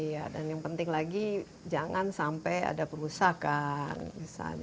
iya dan yang penting lagi jangan sampai ada perusahaan